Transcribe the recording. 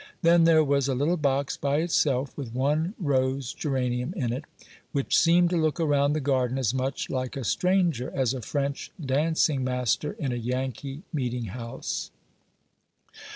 Then there was a little box by itself with one rose geranium in it, which seemed to look around the garden as much like a stranger as a French dancing master in a Yankee meeting house.